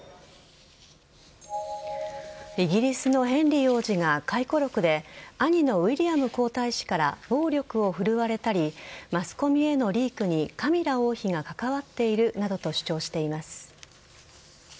イギリスのヘンリー王子が回顧録で兄のウィリアム皇太子から暴力を振るわれたりマスコミへのリークにカミラ王妃が関わっているなどと主張しています。